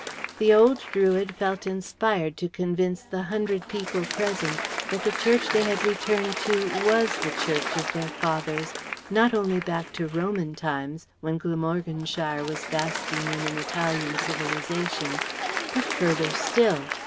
The old Druid felt inspired to convince the hundred people present that the Church they had returned to was the Church of their fathers, not only back to Roman times, when Glamorganshire was basking in an Italian civilization, but further still.